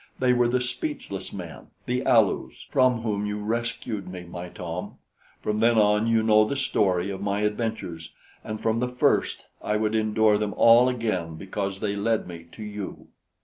They were the speechless men, the Alus, from whom you rescued me, my Tom. From then on, you know the story of my adventures, and from the first, I would endure them all again because they led me to you!"